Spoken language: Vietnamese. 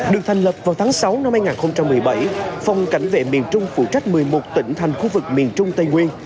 được thành lập vào tháng sáu năm hai nghìn một mươi bảy phòng cảnh vệ miền trung phụ trách một mươi một tỉnh thành khu vực miền trung tây nguyên